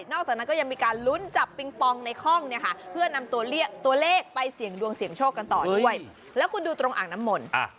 จากนั้นก็ยังมีการลุ้นจับปิงปองในข้องเนี่ยค่ะเพื่อนำตัวเลขไปเสี่ยงดวงเสี่ยงโชคกันต่อด้วยแล้วคุณดูตรงอ่างน้ำมนต์